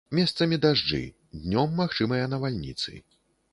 Месцамі дажджы, днём магчымыя навальніцы.